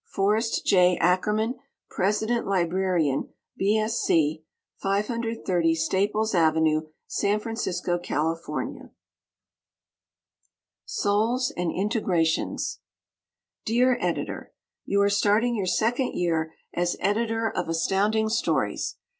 Forrest J. Ackerman, President Librarian, B. S. C., 530 Staples Avenue, San Francisco, Cal. Souls and Integrations Dear Editor: You are starting your second year as Editor of Astounding Stories.